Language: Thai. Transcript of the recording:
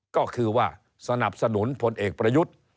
ก็คือว่าสนับสนุนพลเอกประยุทธ์